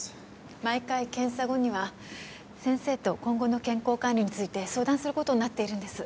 毎回検査後には先生と今後の健康管理について相談する事になっているんです。